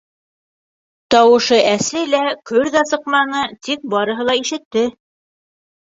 Тауышы әсе лә, көр ҙә сыҡманы, тик барыһы ла ишетте.